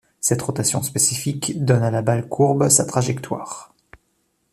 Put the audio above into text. Cette rotation spécifique donne à la balle courbe sa trajectoire.